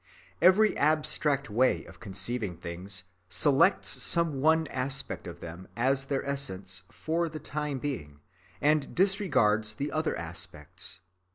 Every abstract way of conceiving things selects some one aspect of them as their essence for the time being, and disregards the other aspects.